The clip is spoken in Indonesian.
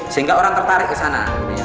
sehingga orang tertarik ke sana